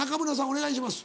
お願いします。